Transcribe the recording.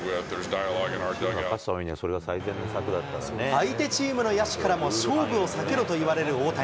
相手チームの野手からも勝負を避けろと言われる大谷。